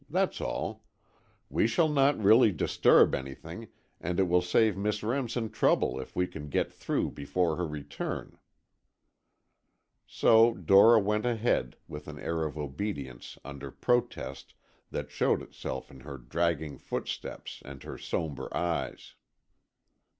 That's all. We shall not really disturb anything and it will save Miss Remsen trouble if we can get through before her return." So Dora went ahead, with an air of obedience under protest that showed itself in her dragging footsteps and her sombre eyes.